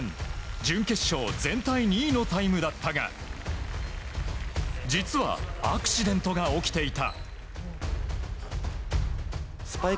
準決勝全体２位のタイムだったが実は、アクシデントが起きていた。